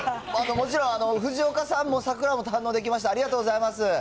もちろん藤岡さんも桜も堪能できました、ありがとうございます。